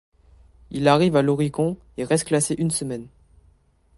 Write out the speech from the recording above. Il arrive à l'Oricon et reste classé une semaine.